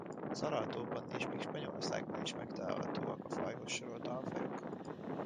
Az Aral-tóban és még Spanyolországban is megtalálhatóak a fajhoz sorolt alfajok.